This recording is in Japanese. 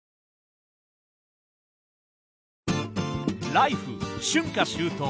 「ＬＩＦＥ！春夏秋冬」